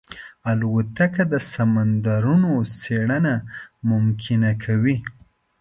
الوتکه د سمندرونو څېړنه ممکنه کوي.